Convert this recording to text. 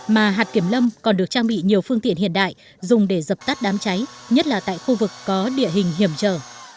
mà hạt kiểm lâm còn được trang bị nhiều phương tiện hiện đại dùng để dập tắt đám cháy nhất là tại khu vực có địa hình hiểm trở